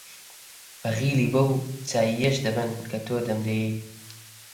بەغیلی بەو چایییەش دەبەن کە تۆ دەمدەیەی!